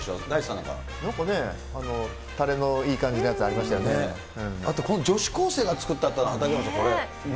なんかね、たれのいい感じのあとこの女子高生が作ったっていうのありましたね。